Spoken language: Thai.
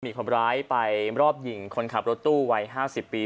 มีคนร้ายไปรอบหญิงคนขับรถตู้วัย๕๐ปี